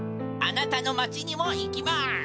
あなたのまちにもいきます！